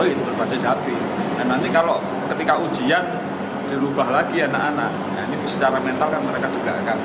pihak sekolah mengaku mengaku mengaku mengaku